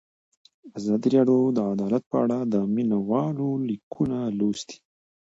ازادي راډیو د عدالت په اړه د مینه والو لیکونه لوستي.